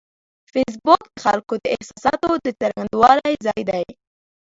فېسبوک د خلکو د احساساتو د څرګندولو ځای دی